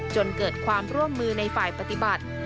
จนเกิดความร่วมมือในฝ่ายปฏิบัติ